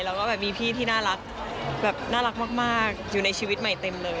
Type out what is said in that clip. แล้วก็แบบมีพี่ที่น่ารักแบบน่ารักมากอยู่ในชีวิตใหม่เต็มเลย